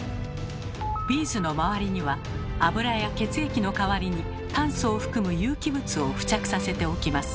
ビーズの回りには脂や血液の代わりに炭素を含む有機物を付着させておきます。